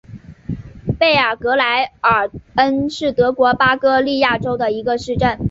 贝尔格莱尔恩是德国巴伐利亚州的一个市镇。